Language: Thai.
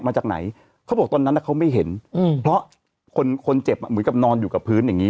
มาจากไหนเขาบอกตอนนั้นเขาไม่เห็นเพราะคนคนเจ็บเหมือนกับนอนอยู่กับพื้นอย่างนี้